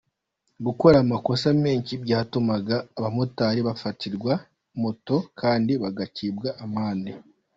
Gukora amakosa menshi byatumaga abamotari bafatirwa moto kandi bagacibwa amande.